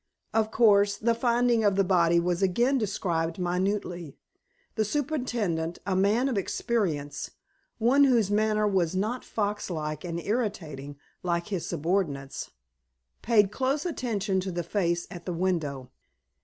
Of course, the finding of the body was again described minutely. The superintendent, a man of experience, one whose manner was not fox like and irritating like his subordinate's, paid close attention to the face at the window.